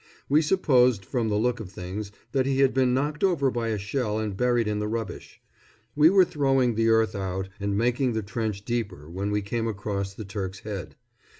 We supposed from the look of things that he had been knocked over by a shell and buried in the rubbish. We were throwing the earth out and making the trench deeper when we came across the Turk's head.